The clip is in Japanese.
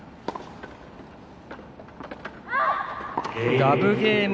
ラブゲーム。